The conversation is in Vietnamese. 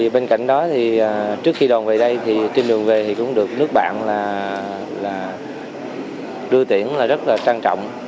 bên cạnh đó trước khi đòn về đây trên đường về cũng được nước bạn đưa tiễn rất là trang trọng